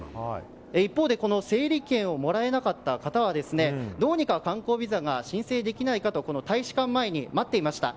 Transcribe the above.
一方で整理券をもらえなかった方はどうにか観光ビザが申請できないかと大使館前に待っていました。